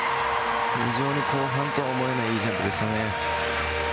非常に後半とは思えないいいジャンプですね。